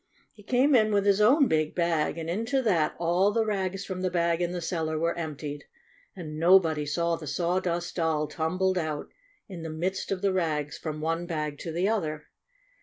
He came in with his own big bag, and into that all the rags from the bag in the cellar were emptied. And nobody saw the Sawdust Doll tumbled out, in the midst of the rags, from one bag to the other.